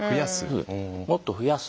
もっと増やす。